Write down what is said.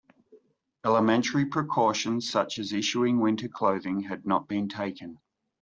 Elementary precautions such as issuing winter clothing had not been taken.